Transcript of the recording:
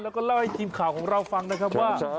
แล้วก็เล่าให้ทีมข่าวของเราฟังนะครับว่า